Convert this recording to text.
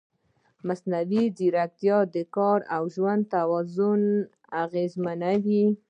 مصنوعي ځیرکتیا د کار او ژوند توازن اغېزمنوي.